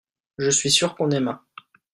Je suis sûr qu'on aima.